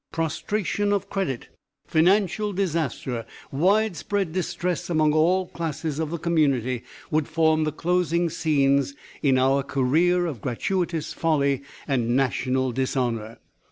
Prostration of credit, financial disaster, widespread distress among all classes of the community, would form the closing scenes in our career of gratuitous folly and national dishonor.